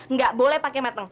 nggak boleh pakai matang